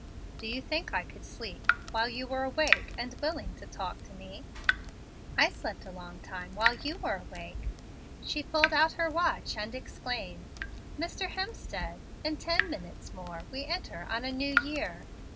"Do you think I could sleep while you were awake and willing to talk to me?" "I slept a long time while you were awake." She pulled out her watch, and exclaimed: "Mr. Hemstead! in ten minutes more we enter on a new year."